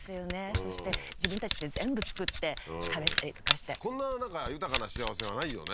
そして自分たちで全部作って食べたりとかしてこんな豊かな幸せはないよね